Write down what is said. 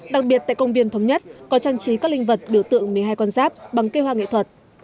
đặc biệt tại công viên thống nhất còn trang trí các linh vật biểu tượng một mươi hai con giáp bằng cây hoa nghệ thuật